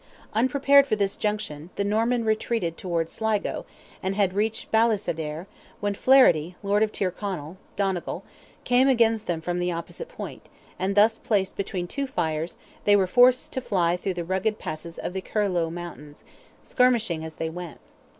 Unprepared for this junction, the Norman retreated towards Sligo, and had reached Ballysadare, when Flaherty, Lord of Tyrconnell (Donegal), came against them from the opposite point, and thus placed between two fires, they were forced to fly through the rugged passes of the Curlieu mountains, skirmishing as they went.